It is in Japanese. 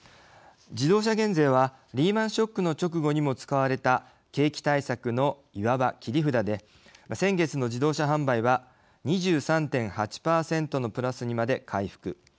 自動車減税はリーマンショックの直後にも使われた景気対策の、いわば切り札で先月の自動車販売は２３．８％のプラスにまで回復。